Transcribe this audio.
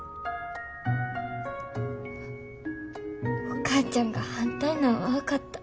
お母ちゃんが反対なんは分かった。